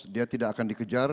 dia tidak akan dikejar